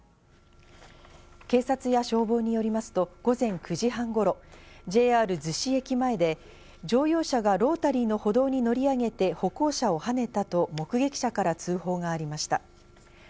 警察や消防によりますと午前９時半頃、ＪＲ逗子駅前で乗用車がロータリーの歩道にのり上げて歩行者をはねたと目撃者から通報がありました。